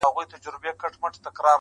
پټ کي څرگند دی.